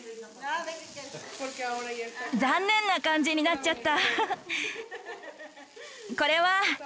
残念な感じになっちゃった。